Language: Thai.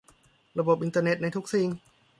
ระบบอินเทอร์เน็ตในทุกสิ่ง